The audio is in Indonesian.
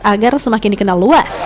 agar semakin dikenal luas